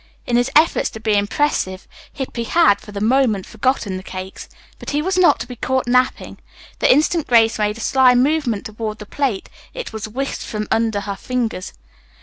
In his efforts to be impressive, Hippy had, for the moment, forgotten the cakes. But he was not to be caught napping. The instant Grace made a sly movement toward the plate it was whisked from under her fingers.